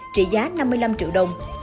trị giá năm mươi năm triệu đồng